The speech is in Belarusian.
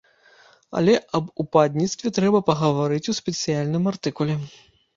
Але аб упадніцтве трэба пагаварыць у спецыяльным артыкуле.